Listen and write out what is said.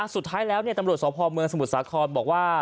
สุดท้ายแล้วตำรวจสพเมืองสมุทรสาครบอกว่า